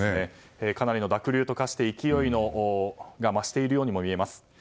かなりの濁流と化して勢いが増しているように見えます。